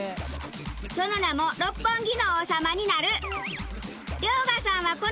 その名も「六本木の王様になる」。